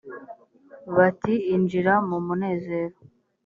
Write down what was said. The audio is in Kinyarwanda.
bati injira mu munezero